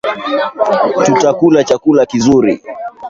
Tutakula chakula kizuri